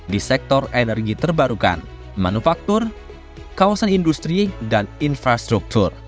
di sektor energi terbarukan manufaktur kawasan industri dan infrastruktur